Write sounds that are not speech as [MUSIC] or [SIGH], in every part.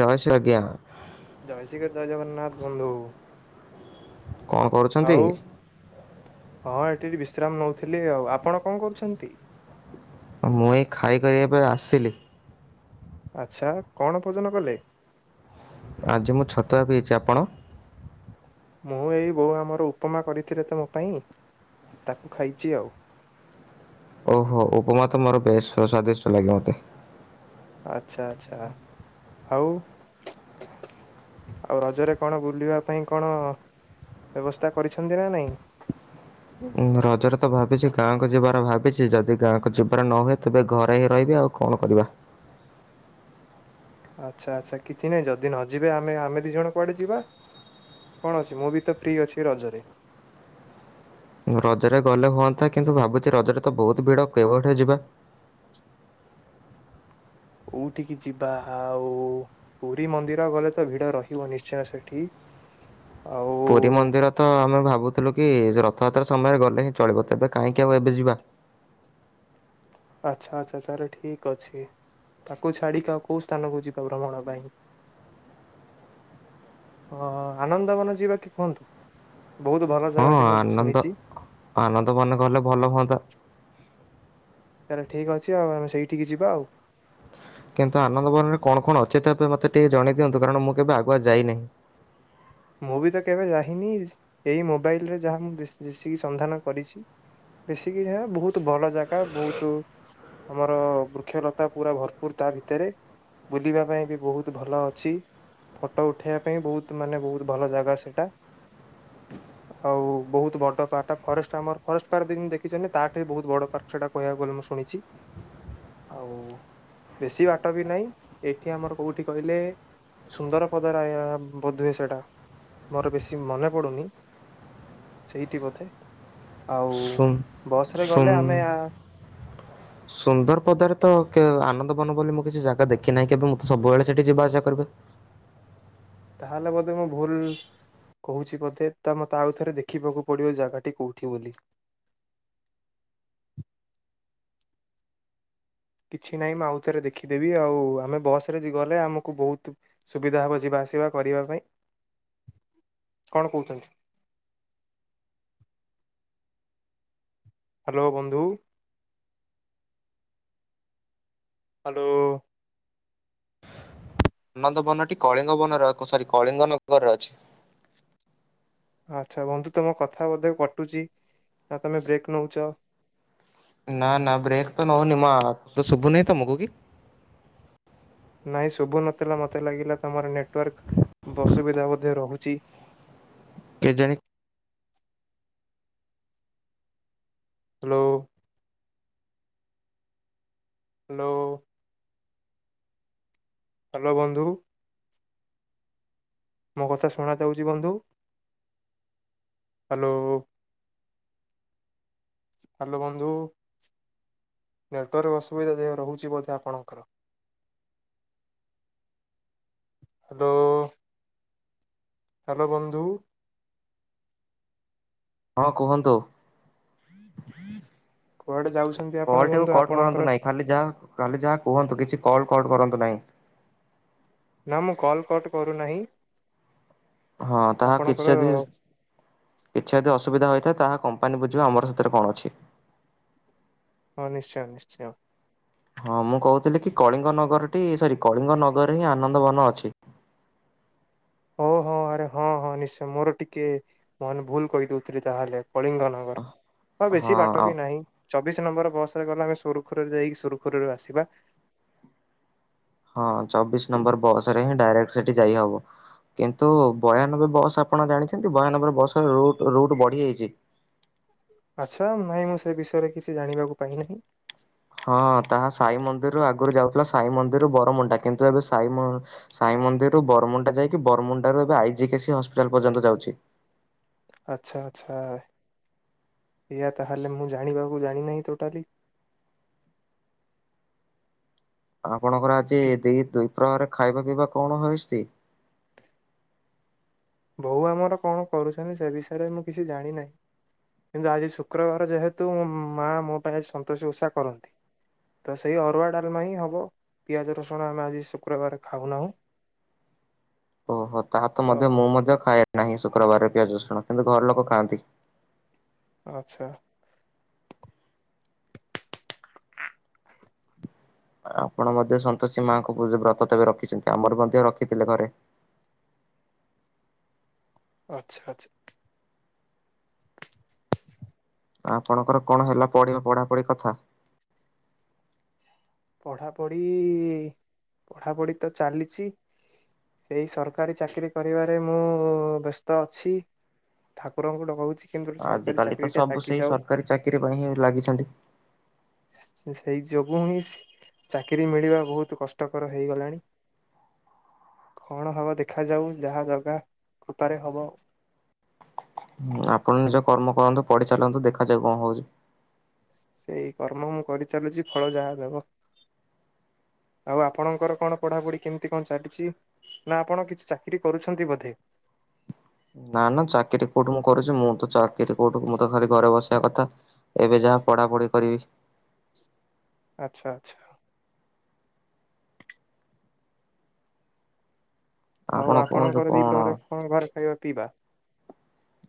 ଯାଶ ଆଜ୍ଞା। ଜୟଶିଖର ଜୟ ଜଗନ୍ନାଥ ବନ୍ଧୁ କଣ କରୁଛନ୍ତି? ଆଉ ହଁ ଏଠି ବିଶ୍ରାମ ନଉଥିଲି ଆଉ ଆପଣ କଣ କରୁଛନ୍ତି? ମୁଁ ଏଇ ଖାଇ କରିବା ପାଇଁ ଆସିଥିଲି। ଆଚ୍ଛା କଣ ଭୋଜନ କଲେ? ଆଜି ମୁଁ ଛତୁଆ ପିଇଛି ଆପଣ? ମୁଁ ଏଇ ବୋଉ ଆମର ଉପମା କରିଥିଲେ ତ ମୋ ପାଇଁ ତାକୁ ଖାଇଛି ଆଉ? ଓହୋ ଉପମା ତ ମୋର ବେଶ ସଵାଦିଷ୍ଟ ଲାଗେ ମୋତେ। ଆଚଛା ଆଚ୍ଛା ଆଉ ଆଉ ରଜରେ କଣ ବୁଲିବା ପାଇଁ କଣ ବ୍ୟବସ୍ଥା କରିଛନ୍ତି ନା ନାଇଁ? ମୁଁ ରଜରେ ତ ଭାବିଛି ଗାଁକୁ ଯିବାର ଭାବିଛି ଯଦି ଗାଁକୁ ଯିବାର ନ ହୁଏ ତେବେ ଘରେ ହିଁ ରହିବି ଆଉ କଣରିବ। ଆଚ୍ଛା ଆଚ୍ଛା କିଛି ନାହିଁ ଯଦି ନ ଯିବେ ଆମେ ଆମେ ଦି ଜଣ କୁଆଡେ ଯିବା କଣ ଅଛି ମୁଁ ବି ତ ଫ୍ରି ଅଛି ରଜରେ। ରଜରେ ଗଲେ ହୁଅନ୍ତା କିନ୍ତୁ ଭାବୁଛି ରଜରେ ତ ବହୁତ ଭିଡ କେଉଠେ ଯିବା କୋଉଠିକି ଯିବା ଆଉ ପୁରୀ ମନ୍ଦିର ଗଲେ ତ ଭିଡ ରହିବ ନିଶ୍ଚୟ ସେଠି ଆଉ ପୁରୀ ମନ୍ଦିର ତ ଆମେ ଭାବୁଥିଲୁ କି ର ଥତର ସମୟରେ ଗଲେ ହିଁ ଚଳିବ ତେବେ କାହିଁକି ଆଉ ଏବେ ଯିବା। ଆଚ୍ଛା ଆଚ୍ଛା ତାେଲେ ଠିକ ଅଛି ତାକୁ ଛାଡ଼ିକି ଆଉ କୋଉ ସ୍ଥାନକୁ ଯିବା ଭ୍ରମଣ ପାଇଁ [INAUDIBLE] ଆନନ୍ଦବନ ଯିବା କି କୁହନ୍ତୁ? ବହୁତ ଭଲ ହଁ ଜାଗାଟି ମୁଁ ଆନନ୍ଦ ଶୁଣିଛି ଆନନ୍ଦ ବାନଗଲେ ଭାଭଲ ହୁଅନ୍ତା। ତାେଲେ ଠିକ ଅଛି ଆଉ ଆମେ ସେଇଠିକି ଯିବା ଆଉ। କିନ୍ତୁ ଆନନ୍ଦବନରେ କଣ କଣ ଅଛି ତ ଏବେ ମତେ ଟିକେ ଜଣେଇ ଦିଅନ୍ତୁ କାରଣ ମୁଁ କେବେ ଆଗୁଆ ଯାଇନାହିଁ। ମୁଁ ବି ତ କେବେ ଯାଇନି ଏଇ ମୋବାଇଲ ରେ ଯାହା ମୁଁ ବେଶୀିକି ସନ୍ଧାନ କରିଛି ବେଶୀିକି ଯାହା ବହୁତ ଭଲ ଜାଗା ବହୁତ ଆମର ବୃକ୍ଷଲତା ପୁରା ଭରପୁର ତା ଭିତରେ ବୁଲିବା ପାଇଁ ବି ବହୁତ ଭଲ ଅଛି ଫଟୋ ଉଠେଇବା ପାଇଁ ବହୁତ ମାନେ ବହୁତ ଭଲ ଜାଗା ସେଇଟା ଆଉ ବହୁତ ବଡ ପାର୍ଟ ଫରେଷ୍ଟ ଆମର ଫରେଷ୍ଟ ପାର୍କ ଯେିତି ଦେଖିଛନ୍ତି ତାଠୁ ବି ବହୁତ ବଡ ପାର୍କ ସେଟା କହିବାକୁ ଗଲେ ମୁଁ ଶୁଣିଛି ଆଉ ବେଶୀ ବାଟ ବି ନାହିଁ ଏଇଠି ଆମର କୋଉଠି କହିଲେ ସୁନ୍ଦର ପଦରେ ବୋଧୁଏ ସେଟା? ମୋର ବେଶୀ ମନେ ପଡୁନି ସେଇଠି ବୋଧେ ଆଉ। ଶ ବସ ରେ ଗଲେ ଆମେ ଆ ସୁନ୍ଦର ପଦରେ ତ ଆନନ୍ଦବନ ବୋଲି ମୁଁ କିଛି ଜାଗା ଦେଖି ନାହିଁ କେବେ ମୁଁ ତ ସବୁବେଳେ ସେଠି ଯିବା ଆସିବା କରିବି। ତାହେଲେ ବୋଧେ ମୁଁ ଭୁଲ କହୁଛି ବୋଧେ ତା ମତେ ଆଉଥରେ ଦେଖିବାକୁ ପଡିବ ଜାଗାଟି କୋଉଠି ବୋଲି। କିଛି ନାହିଁ ମୁଁ ଆଉ ଥରେ ଦେଖିଦେବି ଆଉ ଆମେ ବସ ରେ ଗଲେ ଆମକୁ ବହୁତ ସୁବିଧା ହବ ଯିବା ଆସିବା କରିବା ପାଇଁ କଣ କହୁଛନ୍ତି? ହ୍ୟାଲୋ ବନ୍ଧୁ। ହ୍ୟାଲୋ ଅନନ୍ଦ ବନଟି କଳିଙ୍ଗ ବନରେ ସରି କଳିଙ୍ଗ ନଗରରେ ଅଛି। ଆଚ୍ଛା ବନ୍ଧୁ ତମ କଥା ବୋଧେ କଟୁଛି ନା ତମେ ବ୍ରେକ୍ ନଉଛ? ଶୁଭୁ ନହି ତମକୁ କି? ନହିଁ ଶୁଭୁ ନଥିଲା ମୋତେ ଲାଗିଲା ତମର ନେଟୱାର୍କ ଅସୁବିଧା ମଧ୍ୟ ରହୁଛି। କେଜାଣି ହ୍ୟାଲୋ। ହ୍ୟାଲୋ ହ୍ୟାଲୋ ବନ୍ଧୁ। ମୋ କଥା ଶୁଣ ଯାଉଛି ବନ୍ଧୁ ହ୍ୟାଲୋ [INAUDIBLE] ହ୍ୟାଲୋ ବନ୍ଧୁ ନେଟୱାର୍କ ଅସୁବିଧା ଦେହ ରହୁଛି ବୋଧେ ଆପଣଙ୍କର ହ୍ୟାଲୋ। ହ୍ୟାଲୋ ବନ୍ଧୁ। ହଁ କୁହନ୍ତୁ? କୁଆଡେ ଯାଉଛନ୍ତି ଆପଣ କଲ ଟକୁ ବନ୍ଧୁ କଟ ଆପଣଙ୍କର କରନ୍ତୁ ନାହିଁ ଖାଲି ଯାହା ଖାଲି ଯାହା କୁହନ୍ତୁ? କଲ୍ କଡ଼୍ କରନ୍ତୁ ନାହିଁ। ନା ମୁଁ କଲ କଟ କରୁନାହିଁ। ହଁ ତାହା କିଛି ଆପଣଙ୍କର ଯଦି କିଛି ଯଦି ଅସୁବିଧା ତାହା କପାନୀ ବୁଜୀବ ଆମଥିରେ କଣ ଅଛି। ହଁ ନିଶ୍ଚୟ ନିଶ୍ଚୟ। ହଁ ମୁଁ କହୁଥିଲି କି କଳିଙ୍ଗ ନଗରଟି ସରି କଳିଙ୍ଗ ନଗର ହିଁ ଆନନ୍ଦ ବନ ଅଛି। ହଉ ହଉ ଆରେ ହଁ ହଁ ନିଶ୍ଚୟ ମୋର ଟିକେ ମେ ଭୁଲ କହିଦଉଥିଲି ତାହେଲେ। କଳିଙ୍ଗ ନଗର ହଉ ହଁ ବେଶୀ ବାଟ ବି ନାହିଁ। ଚବିଶ ନମ୍ବର ବସ ରେ ଗଲେ ଆମେ ସୁରୁଖୁରୁରେ ଯାଇକି ସୁରୁଖୁରୁରେ ଆସିବା। ହଁ ଚବିଶ ନମ୍ବର ବସ ରେ ହିଁ ଡାଇରେକ୍ଟ ସେଠି ଯାଇହବ। କିନ୍ତୁ ବୟାନବେ ବସ୍ ଆପଣ ଜାଣିଛନ୍ତି ବୟାନବେର ବସରେ ରୁଟ ବଢି ଯାଇଛି। ଆଚ୍ଛା ନାଇଁ ମୁଁ ସେ ବିଷୟରେ କିଛି ଜାଣିବାକୁ ପାଇ ନାହିଁ। ହଁ ତାହା ସାଇ ମନ୍ଦିରରୁ ଆଗରୁ ଯାଉଥିଲା ସାଇ ମନ୍ଦିରରୁ ବରମୁଣ୍ଡା କିନ୍ତୁ ଏବେ ସାଇ ମନ୍ଦିରରୁ ବରମୁଣ୍ଡା ଯାଇକି ବରମୁଣ୍ଡାରୁ ଏବେ ଆଇ କେସି ହସ୍ପିଟାଲ ପର୍ଯ୍ୟନ୍ତ ଯାଉଛି। ଆଛା ଆଛା ଆ ତାହେଲେ ମୁଁ ଜାଣିବାକୁ ଜାଣିିନହିଁ ଟୋଟାଲି। ହଁ। ଆପଣଙ୍କର ଆଜି କି ଦି ଦୁଇ ପ୍ରହରେ ଖାଇବା ପିଇବା କଣ ହେସଛି। ବୋଉ ଆମର କଣ କରୁଛନ୍ତି ସେ ବିଷୟରେ ମୁଁ କିଛି ଜାଣିନାହିଁ। କିନ୍ତୁ ଆଜି ଶୁକ୍ରବାର ଯେହେତୁ ମୋ ମାଆ ମୋ ପାଇଁ ସନ୍ତୋଶି ଉଷା କରନ୍ତି। ତ ସେଇ ଅରୁଆ ଡାଲମା ହିଁ ହବ ପିଆଜ ରସୁଣ ଆମେ ଆଜି ଶୁକ୍ରବାର ଖାଉନାହୁଁ। ଓହୋ ତାର ତ ମଧ୍ୟ ମୁଁ ମଧ୍ୟ ଖାଏ ନାହିଁ ଶୁକ୍ରବାରରେ ପିଆଜ ରସୁଣ କିନ୍ତୁ ଘର ଲୋକ ଖାଆନ୍ତି। ଆଚ୍ଛା। ଆପଣ ମଧ୍ୟ ସନ୍ତୋଷୀ ମାଙ୍କୁ ପୂଜା ବ୍ରତ କେବେ ରଖିଛନ୍ତି ଆମର ମଧ୍ୟ ରଖିଥିଲେ ଘରେ। ଆଚ୍ଛା ଆଚ୍ଛା। ଆପଣଙ୍କର କଣ ହେଲା ପଢିବା ପଢାପଢି କଥା? ପଢ଼ାପଢ଼ି ପଢ଼ାପଢ଼ି ତ ଚାଲିଛି ସେଇ ସରକାରୀ ଚାକିରୀ କରିବାରେ ମୁଁ ବ୍ୟସ୍ତ ଅଛି ଠାକୁରଙ୍କୁ ଡଗଉଛି। ଆଜି କାଲି ତ ସବୁ ସେଇ ସରକାରୀ ଚାକିରି ପାଇଁ ହିଁ ଲାଗିଛନ୍ତି। ସେଇ ଯୋଗୁଁ ହିଁ ଚାକିରି ମିଳିବା ବହୁତ କଷ୍ଟକର ହେଇଗଲାଣି କଣ ହବ ଦେଖାଯାଉ ଯାହା ଜଗା କୃପା ରେ ହବ। ଆପଣ ନିଜ କର୍ମ କରନ୍ତୁ ପଢିଚାଲନ୍ତୁ ଦେଖାଯାଉ କଣ ହଉଛି। ସେଇ କର୍ମ ମୁଁ କରିଚାଲୁଛି ଫଳ ଯାହା ଦେବ ଆଉ। ଆପଣଙ୍କର କଣ ପଢାପଢି କେମିତି କଣ ଚାଲିଛି? ନା ଆପଣ କିଛି ଚାକିରି କରୁଛନ୍ତି ବୋଧେ। ନା ନା ଚାକିରୀ କୋଉଠି ମୁଁ କରୁଛି ମୁଁ ତ ଚାକିରି କୋଉଠୁ ମୁଁ ତ ଖାଲି ଘରେ ବସିବା କଥା ଏବେ ଯାହା ପଢ଼ାପଢ଼ି କରିବି। ଆଚ୍ଛା ଆଚ୍ଛା। ଆଉ ଆପଣ କୁହନ୍ତୁ ଆପଣଙ୍କର କଣ? ଦ୍ଵିପହର ରେ କଣ ଘରେ ଖାଇବା ପିଇବା?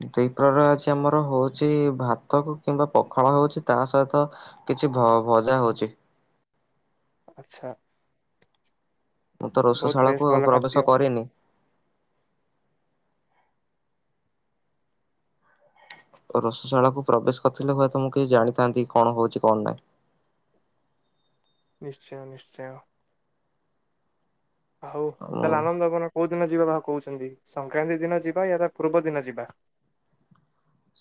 ଦ୍ଵିପହର ଆଜି ଆମର ହଉଛି ଭାତ କୁ କିମ୍ବା ପଖାଳ ହଉଛି ତା ସହିତ କିଛି ଭ ଭଜା ହଉଛି। ଆଚ୍ଛା। ମୁଁ ତ ବହୁତ ରୋଷଶାଳା ବେଶ କୁ ଆଉ ଭଲ ପ୍ରବେଶ ଖାଦ୍ୟ କରିନି। ରୋଷଶାଳା କୁ ପ୍ରବେଶ କରିଥିଲେ ହୁଏତ ମୁଁ କିଛି ଜାଣିଥାନ୍ତି କଣ ହଉଛି କଣ ନାହିଁ? ନିଶ୍ଚୟ ନିଶ୍ଚୟ। ହଉ ମୁଁ ତାହେଲେ ଆନନ୍ଦବନ କୋଉ ଦିନ ଯିବା ଭାବୁ କହୁଛନ୍ତି ସଂକ୍ରାନ୍ତି ଦିନ ଯିବା ୟା ତା ପୂର୍ବ ଦିନ ଯିବା?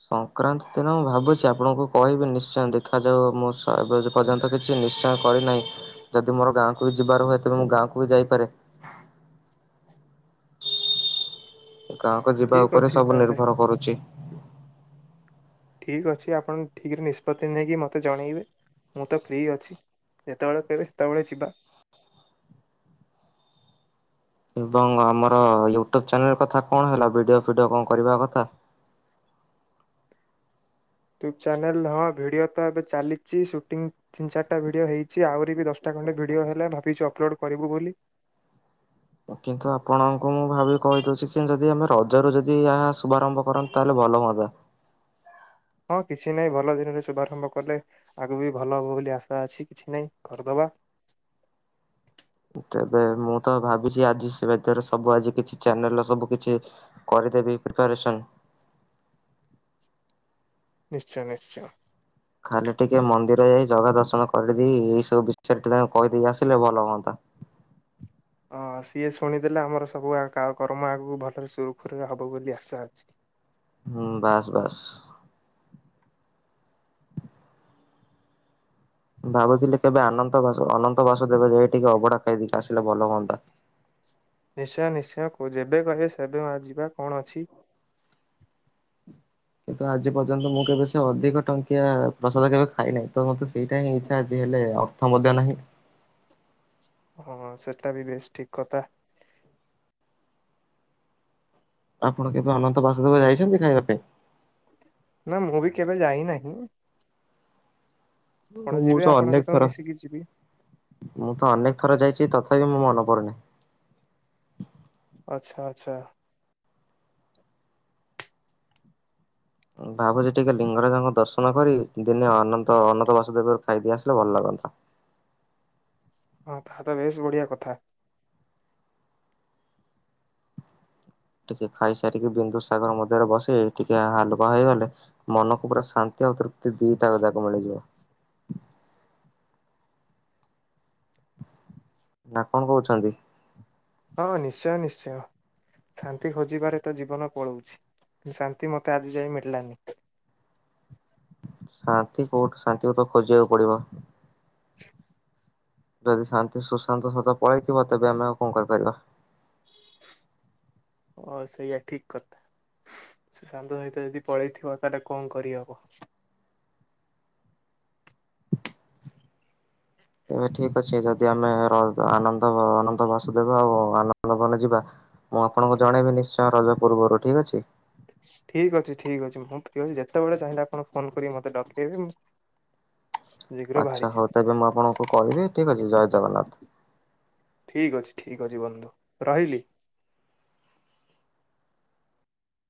ସଂକ୍ରାନ୍ତି ଦିନ ମୁଁ ଭାବୁଛି ଆପଣଙ୍କୁ କହିବି ନିଶ୍ଚୟ। ଦେଖାଯାଉ ମୋ [UNINTELLIGIBLE] କରି ନାହିଁ ଯଦି ମୋର ଗାଁକୁ ବି ଯିବାର ହୁଏ ତେବେ ମୁଁ ଗାଁକୁ ବି ଯାଇପାରେ। ଗାଁକୁ ଯିବା ଠିକ ଉପରେ ଅଛି ସବୁ ତାହେଲେ ନିର୍ଭର କରୁଛି। ଠିକ୍ ଅଛି ଆପଣ ଠିକରେ ନିଷ୍ପତ୍ତି ନେଇକି ମୋତେ ଜଣେଇବେ ମୁଁ ତ ଫ୍ରି ଅଛି ଯେତେବେଳେ କହିବେ ସେତେବେଳେ ଯିବା। ଏବଂ ଆମର ୟୁଟ୍ୟୁବ ଚ୍ୟାନେଲ କଥା କଣ ହେଲା ଭିଡିଓ ଫିଡିଓ କଣ କରିବା କଥା। ୟୁଟ୍ୟୁବ ଚ୍ୟାନେଲ ହଁ ଭିଡ଼ିଓ ତ ଏବେ ଚାଲିଛି ସୁଟିଂ ତିନି ଚାରିଟା ଭିଡ଼ିଓ ହୋଇଛି ଆହୁରି ବି ଦଶଟା ଖଣ୍ଡେ ଭିଡ଼ିଓ ହେଲା ଭାବିଛୁ ଅପଲୋଡ଼୍ କରିବୁ ବୋଲି। କିନ୍ତୁ ରଜ ର ଯଦି ଏହା ଶୁଭାରମ୍ଭ କରନ୍ତ ତାହେଲେ ଭଲ ହୁଅନ୍ତା। ହଁ କିଛି ନାହିଁ ଭଲ ଦିନରେ ଶୁଭାରମ୍ଭ କଲେ ଆଗକୁ ବି ଭଲ ହବ ବୋଲି ଆଶା ଅଛି କିଛି ନାହିଁ କରିଦବା ତେବେ ମୁଁ ତ ଭାବିଛି ଆଜି ସେ ଭିତରେ ସବୁ ଆଜି କିଛି ଚ୍ୟାନେଲ ସବୁ କିଛି କରିଦେବି ପ୍ରିପାରେସନ। ନିଶ୍ଚୟ ନିଶ୍ଚୟ ଖାଲି ଟିକେ ମନ୍ଦିର ଯାଇ ଜଗା ଦର୍ଶନ କରିଦେଇ ଏଇ ସବୁ ବିଷୟରେ ଟିକେ ତାଙ୍କୁ କହିଦେଇକି ଆସିଲେ ଭଲ ହୁଅନ୍ତା। ହଁ ସିଏ ଶୁଣିଦେଲେ ଆମର ସବୁ କର୍ମ ଆଗକୁ ଭଲରେ ସୁରୁଖୁରୁରେ ହବ ବୋଲି ଆଶା ଅଛି। ହୁଁ ବାସ୍ ବାସ୍। ଭାବୁଥିଲେ କେବେ ଆନନ୍ତ ବାସ ଅନନ୍ତ ବାସୁଦେବ ଯାଇ ଟିକେ ଅବଢା ଖାଇଦେଇକି ଆସିଲେ ଭଲ ହୁଅନ୍ତା। ନିଶ୍ଚୟ ନିଶ୍ଚୟ କୁ ଯେବେ କହିବେ ସେବେ ଯିବା କଣ ଅଛି। କିନ୍ତୁ ଆଜି ପର୍ଯ୍ୟନ୍ତ ମୁଁ କେବେ ସେ ଅଧିକ ଟଙ୍କିଆ ପ୍ରସାଦ କେବେ ଖାଇନାହିଁ ତ ମତେ ସେଇଟା ହିଁ ଇଚ୍ଛା ଆଜି ହେଲେ ଅର୍ଥ ମଧ୍ୟ ନାହିଁ। ହଁ ସେଟା ବି ବେଶ ଠିକ କଥା। ଆପଣ କେବେ ଅନନ୍ତ ବାସୁଦେବ ଯାଇଛନ୍ତି ଖାଇବା ପାଇଁ। ନା ମୁଁ ବି କେବେ ଯାଇ ନାହିଁ। ଆପଣ ମୁଁ ଯିବେ ତ ଆପଣଙ୍କ ଅନେକ ସହିତ ଥର ମିଶିକି ଯିବି ମୁଁ ତ ଅନେକ ଥର ଯାଇଛି ତଥା ଖାଇବାକୁ ମୁଁ ମନ କରିନି। ଆଚଛା ଆଚଛା। ଭାବୁଛି ଟିକେ ଲିଙ୍ଗରାଜଙ୍କ ଦର୍ଶନ କରି ଦିନେ ଅନନ୍ତ ଅନନ୍ତ ବାସୁଦେବ ର ଖାଇଦି ଆସିଲେ ଭଲ ଲାଗନ୍ତା। ହଁ ତାହା ତ ବେଶ ବଢିଆ କଥା। ଟିକେ ଖାଇସାରିକି ବିନ୍ଦୁ ସାଗର ମଧ୍ୟରେ ବସି ଟିକେ ହାଲୁକା ହେଇଗଲେ ମନକୁ ପୁରା ଶାନ୍ତି ଆଉ ତୃପ୍ତି ଦି ତା ଯାକ ମିଳିଯିବ। ନା କଣ କହୁଛନ୍ତି? ହଁ ନିଶ୍ଚୟ ନିଶ୍ଚୟ ଶାନ୍ତି ଖୋଜିବାରେ ତ ଜୀବନ ପଳଉଛି ଶାନ୍ତି ମତେ ଆଜି ଯାଇ ମିଳିଲାନି। ଶାନ୍ତି କୋଉଠୁ ଶାନ୍ତିକୁ ତ ଖୋଜିବାକୁ ପଡିବ। ଯଦି ଶାନ୍ତି ସୁଶାନ୍ତ ସତ ପଳେଇଥିବ ତେବେ ଆମେ ଆଉ କଣ କରିପାରିବା। ଓ ସେଇୟା ଠିକ କଥା ଶାନ୍ତ ସହିତ ଯଦି ପଳେଇଥିବ ତାହେଲେ କଣ କରିହବ। ଏେବେ ଠିକ ଅଛି ଯଦି ଆମେ ଆନନ୍ଦ ଆନନ୍ଦ ବାସ ଦେବା ଆଉ ଆନନ୍ଦବନ ଯିବା ମୁଁ ଆପଣଙ୍କୁ ଜଣେଇବି ନିଶ୍ଚୟ ରଜ ପୂର୍ବରୁ ଠିକ ଅଛି। ଠିକ ଅଛି ଠିକ ଅଛି ମୁଁ ପ୍ରିୟ ଅଛି ଯେତେବେଳେ ଚାହିଁଲେ ଆପଣଙ୍କୁ ଫୋନ କରିକି ମତେ ଡକେଇବେ ମୁଁଯିବି। ଆଚ୍ଛା ହଉ ତେବେ ମୁଁ ଆପଣଙ୍କୁ କହିବି ଠିକ ଅଛି ଜୟ ଜଗନ୍ନାଥ। ଠିକ ଅଛି ଠିକ ଅଛି ବନ୍ଧୁ ରହିଲି।